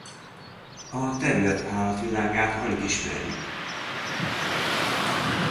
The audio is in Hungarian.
A terület állatvilágát alig ismerjük.